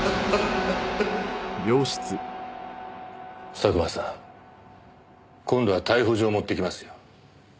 佐久間さん今度は逮捕状持ってきますよ。